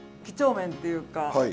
きちょうめんっていうか。